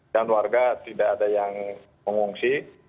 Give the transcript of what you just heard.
dan warga tidak ada yang mengungsi